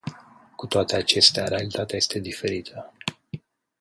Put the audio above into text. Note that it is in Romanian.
Cu toate acestea, realitatea este diferită.